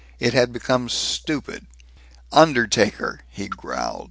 It had become stupid. "Undertaker!" he growled.